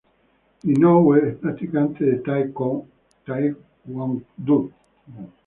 Inoue es practicante de Tae Kwon Do.